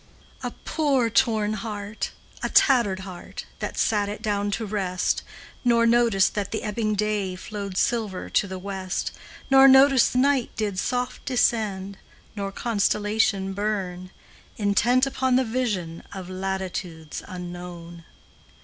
A poor torn heart, a tattered heart, That sat it down to rest, Nor noticed that the ebbing day Flowed silver to the west, Nor noticed night did soft descend Nor constellation burn, Intent upon the vision Of latitudes unknown.